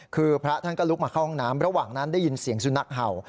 คือพระท่านก็ลุกมาเข้าห้องน้ำระหว่างนั้นได้ยินเสียงสุนัขเห่า